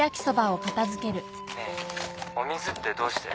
ねえお水ってどうしてる？